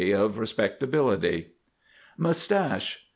of respectability. MUSTACHE.